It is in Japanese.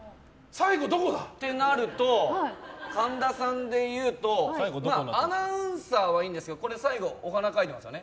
最後どこだ？ってなると神田さんでいうとアナウンサーはいんですけど最後、お花を書いてますよね。